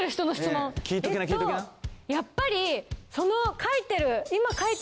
やっぱり。